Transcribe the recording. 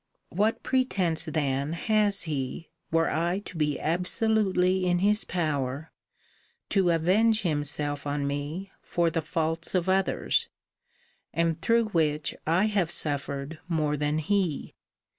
What pretence then has he, were I to be absolutely in his power, to avenge himself on me for the faults of others, and through which I have suffered more than he?